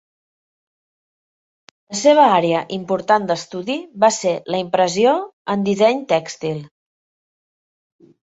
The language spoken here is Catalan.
La seva àrea important d'estudi va ser la impressió en disseny tèxtil.